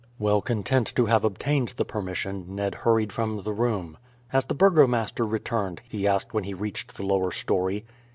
Well content to have obtained the permission Ned hurried from the room. "Has the burgomaster returned?" he asked when he reached the lower storey.